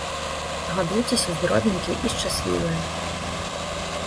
Гадуйцеся здаровенькія і шчаслівыя!